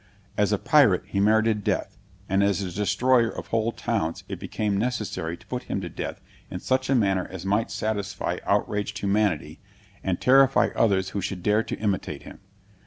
As a pirate, he merited death, and as a destroyer of whole towns, it became necessary to put him to death in such a manner as might satisfy outraged humanity, and terrify others who should dare to imitate him.